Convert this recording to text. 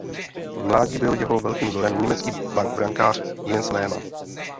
V mládí byl jeho velkým vzorem německý brankář Jens Lehmann.